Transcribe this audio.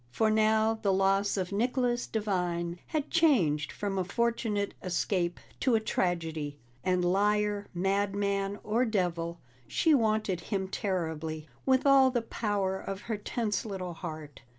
For now the loss of Nicholas Devine had changed from a fortunate escape to a tragedy, and liar, madman, or devil, she wanted him terribly, with all the power of her tense little heart.